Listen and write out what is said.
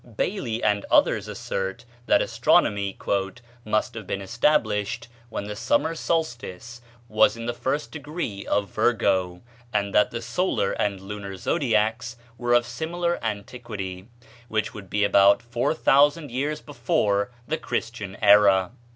Bailly and others assert that astronomy "must have been established when the summer solstice was in the first degree of Virgo, and that the solar and lunar zodiacs were of similar antiquity, which would be about four thousand years before the Christian era.